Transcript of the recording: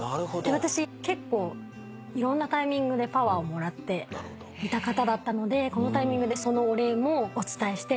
私結構いろんなタイミングでパワーをもらっていた方だったのでこのタイミングでそのお礼もお伝えして。